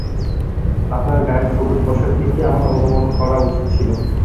আপনার গায়ের সবুজ পোশাক দেখেই আমার অনুমান করা উচিত ছিল।